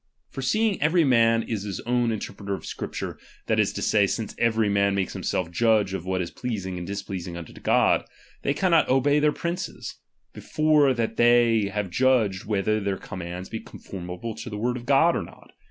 For seeing every man is his own inter preter of Scripture, that is to say, since every man makes himself judge of what is pleasing and dis pleasing unto God ; they cannot obey their princes, before that they have judged whether their com mands be conformable to the word of God, or not.